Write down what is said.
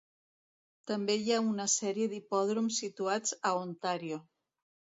També hi ha una sèrie d'hipòdroms situats a Ontario.